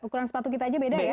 ukuran sepatu kita aja beda ya